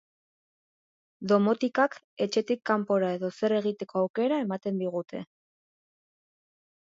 Domotikak etxetik kanpora edozer egiteko aukera ematen digute.